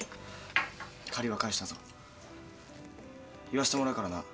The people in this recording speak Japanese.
言わせてもらうからな。